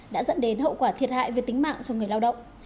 đã dẫn đến hậu quả thiệt hại về tính mạng cho người lao động